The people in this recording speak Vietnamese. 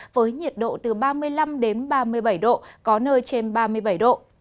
với nhiệt độ từ ba mươi năm đến ba mươi bảy độ có nơi trên ba mươi bảy độ